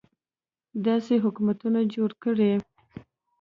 داسې حکومتولي جوړه کړي.